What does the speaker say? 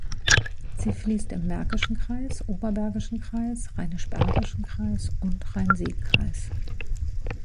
Sie fließt im Märkischen Kreis, Oberbergischen Kreis, Rheinisch-Bergischen Kreis und Rhein-Sieg-Kreis.